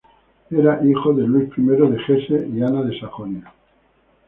Era el hijo de Luis I de Hesse y Ana de Sajonia.